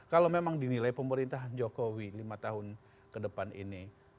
kalau memang dinilai pemerintahan jokowi lima tahun ke depan ini